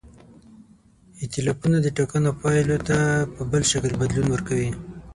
ایتلافونه د ټاکنو پایلو ته په بل شکل بدلون ورکوي.